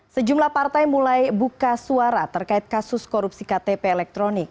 sejumlah partai mulai buka suara terkait kasus korupsi ktp elektronik